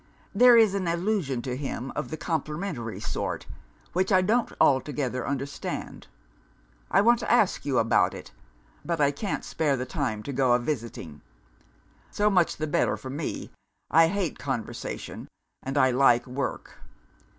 There is an allusion to him of the complimentary sort, which I don't altogether understand. I want to ask you about it but I can't spare the time to go a visiting. So much the better for me I hate conversation, and I like work.